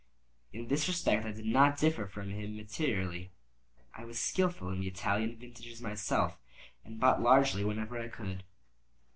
In this respect I did not differ from him materially: I was skilful in the Italian vintages myself, and bought largely whenever I could.